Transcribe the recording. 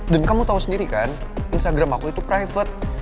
dan kamu tahu sendiri kan instagram aku itu private